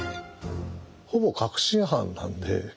ほぼ確信犯なんで。